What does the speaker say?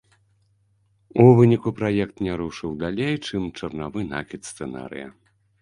У выніку праект не рушыў далей чым чарнавы накід сцэнарыя.